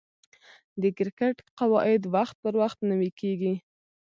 د کرکټ قواعد وخت پر وخت نوي کیږي.